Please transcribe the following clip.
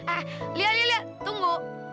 ah li li li tunggu